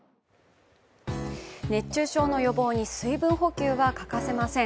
熱中症の予防に水分補給は欠かせません。